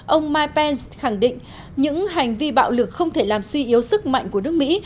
ông mike pence khẳng định những hành vi bạo lực không thể làm suy yếu sức mạnh của nước mỹ